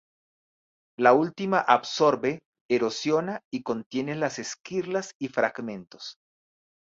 La última absorbe, erosiona o contiene las esquirlas y fragmentos.